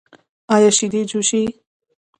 ایا شیدې جوشوئ؟